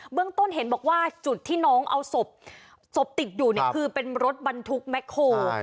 เรื่องต้นเห็นบอกว่าจุดที่น้องเอาศพติดอยู่เนี่ยคือเป็นรถบรรทุกแม็กโคล